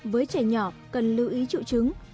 với trẻ nhỏ cần lưu ý triệu chứng